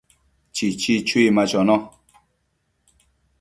Chichi chui ma chono